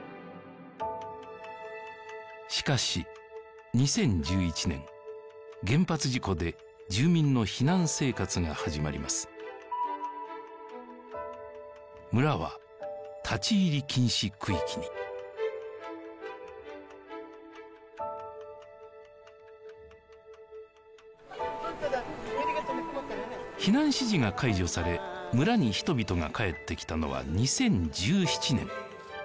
しかし２０１１年原発事故で住民の避難生活が始まります村は立ち入り禁止区域に避難指示が解除され村に人々が帰ってきたのは２０１７年６年もの歳月が流れていました